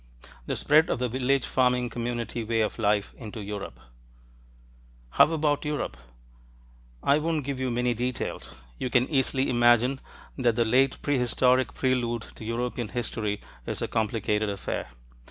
THE SPREAD OF THE VILLAGE FARMING COMMUNITY WAY OF LIFE INTO EUROPE How about Europe? I won't give you many details. You can easily imagine that the late prehistoric prelude to European history is a complicated affair.